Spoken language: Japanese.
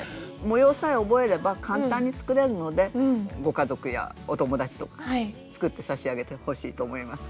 模様さえ覚えれば簡単に作れるのでご家族やお友達とかね作ってさしあげてほしいと思います。